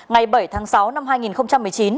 ngày bảy tháng sáu năm hai nghìn một mươi chín